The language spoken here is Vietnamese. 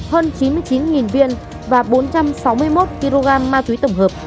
hơn chín mươi chín viên và bốn trăm sáu mươi một kg ma túy tổng hợp